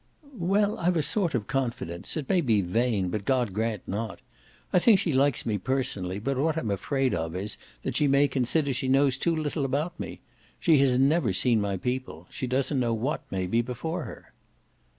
"Well, I've a sort of confidence. It may be vain, but God grant not! I think she likes me personally, but what I'm afraid of is that she may consider she knows too little about me. She has never seen my people she doesn't know what may be before her."